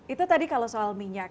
itu tadi kalau soal minyak